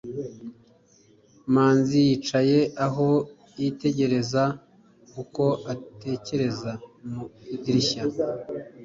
manzi yicaye aho, yitegereza uko atekereza mu idirishya